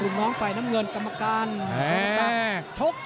หรือว่าผู้สุดท้ายมีสิงคลอยวิทยาหมูสะพานใหม่